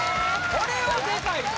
これはでかいね